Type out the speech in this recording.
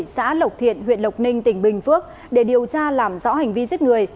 xã lộc thiện huyện lộc ninh tỉnh bình phước để điều tra làm rõ hành vi giết người